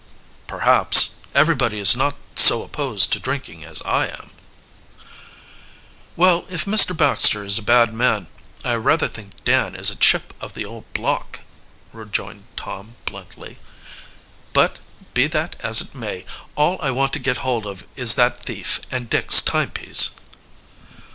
"Perhaps everybody is not so opposed to drinking as I am." "Well, if Mr. Baxter is a bad man, I rather think Dan is a chip of the old block," rejoined Tom bluntly. "But be that as it may, all I want to get hold of is that thief and Dick's timepiece."